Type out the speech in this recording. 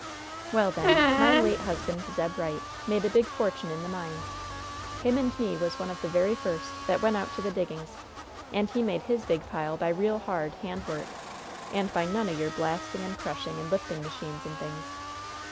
"Well, then, my late husband, Zeb Wright, made a big fortune in the mines. Him and me was one of the very first that went out to the diggings. And he made his big pile by real hard hand work and by none o' your blasting and crushing and lifting machines and things.